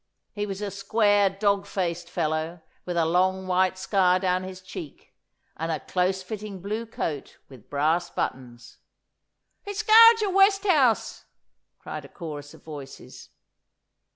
He was a square dogged faced fellow, with a long white scar down his cheek, and a close fitting blue coat with brass buttons. 'It's Gauger Westhouse!' cried a chorus of voices.